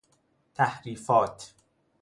تحریفات